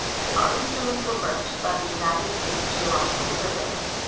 Our instruments were furnished by the United States Geo logical Survey.